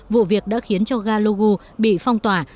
vụ việc đã khiến cho ga logu bị phong tỏa